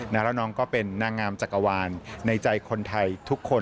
แล้วน้องก็เป็นนางงามจักรวาลในใจคนไทยทุกคน